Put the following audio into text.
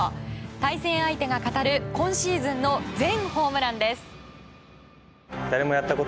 対戦相手が語る今シーズンの全ホームランです。